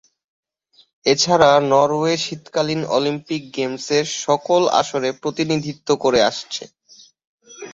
এছাড়া নরওয়ে শীতকালীন অলিম্পিক গেমসের সকল আসরে প্রতিনিধিত্ব করে আসছে।